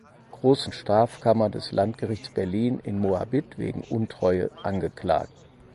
Großen Strafkammer des Landgerichts Berlin in Moabit wegen „Untreue“ angeklagt.